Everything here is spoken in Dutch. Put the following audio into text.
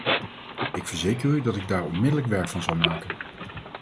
Ik verzeker u dat ik daar onmiddellijk werk van zal maken.